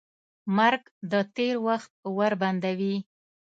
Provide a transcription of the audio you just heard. مرګ د تېر وخت ور بندوي.